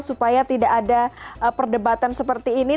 supaya tidak ada perdebatan seperti ini